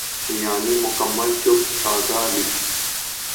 یعنی مکمل چپ سادھ لی۔